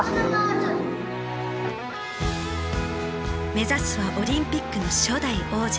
目指すはオリンピックの初代王者。